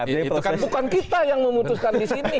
itu kan bukan kita yang memutuskan di sini